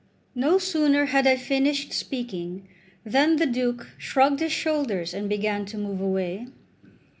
No sooner had I finished speaking than the Duke shrugged his shoulders, and began to move away.